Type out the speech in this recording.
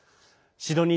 シドニー